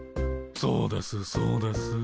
そうですそうです。